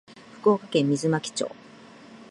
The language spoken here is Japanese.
福岡県水巻町